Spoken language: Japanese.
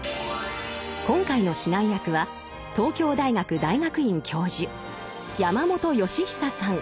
今回の指南役は東京大学大学院教授山本芳久さん。